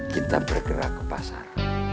kita bergerak ke pasar